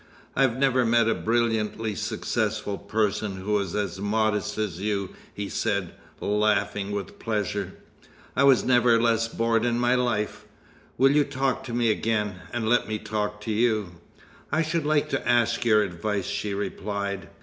"I never met a brilliantly successful person who was as modest as you," he said, laughing with pleasure. "I was never less bored in my life. Will you talk to me again and let me talk to you?" "I should like to ask your advice," she replied.